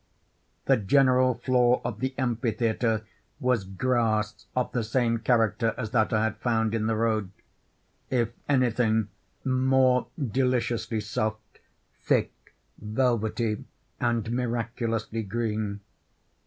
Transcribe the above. The general floor of the amphitheatre was grass of the same character as that I had found in the road; if anything, more deliciously soft, thick, velvety, and miraculously green.